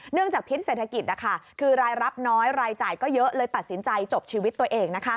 จากพิษเศรษฐกิจคือรายรับน้อยรายจ่ายก็เยอะเลยตัดสินใจจบชีวิตตัวเอง